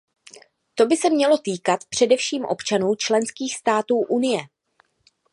To by se mělo týkat především občanů členských států Unie.